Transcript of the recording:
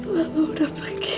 lalu udah pergi